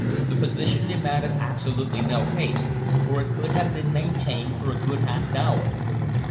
The position demanded absolutely no haste, for it could have been maintained for a good half hour.